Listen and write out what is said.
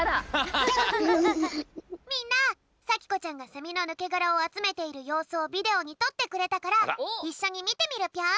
みんなさきこちゃんがセミのぬけがらをあつめているようすをビデオにとってくれたからいっしょにみてみるぴょん！